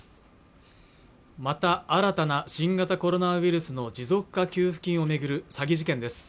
また新たな新型コロナウイルスの持続化給付金をめぐる詐欺事件です